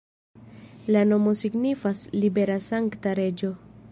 La nomo signifas libera-sankta-reĝo.